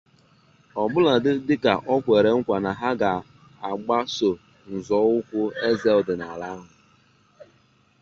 ọbụladị dịka o kwere nkwà na ha ga-gbaso nzọụkwụ eze ọdịnala ahụ